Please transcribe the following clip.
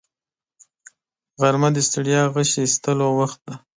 غرمه د ستړیا غشي ایستلو وخت دی